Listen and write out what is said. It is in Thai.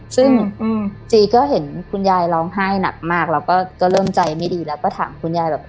ซึ่งจีก็เห็นคุณยายร้องไห้หนักมากแล้วก็เริ่มใจไม่ดีแล้วก็ถามคุณยายแบบ